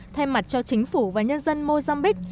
thay mặt cho chính phủ và nhân dân mozambique